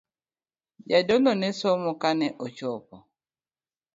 Jadolo ne somo kane ochopo.